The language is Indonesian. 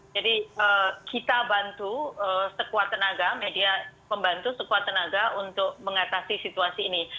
jadi kita bantu sekuat tenaga media membantu sekuat tenaga untuk mengatasi situasi ini